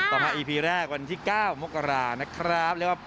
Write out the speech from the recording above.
ต่อมาอีพีแรกวันที่๙มกรานะครับ